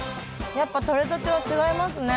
やっぱとれたては違いますね。